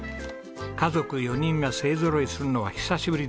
家族４人が勢ぞろいするのは久しぶりです。